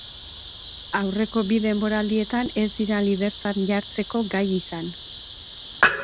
Aurreko bi denboraldietan ez dira lidertzan jartzeko gai izan.